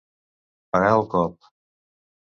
Parar el cop.